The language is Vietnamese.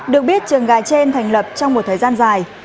được biết trường gà trên thành lập trong một thời gian dài